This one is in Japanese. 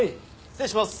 失礼します。